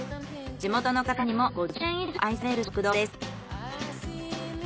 地元の方にも５０年以上愛される食堂です。